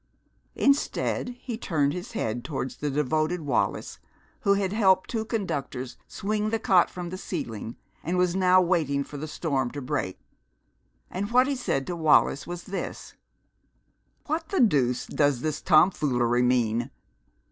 Instead, he turned his head towards the devoted Wallis, who had helped two conductors swing the cot from the ceiling, and was now waiting for the storm to break. And what he said to Wallis was this: "What the deuce does this tomfoolery mean?"